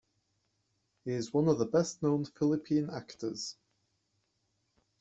He is one of the best-known Philippine actors.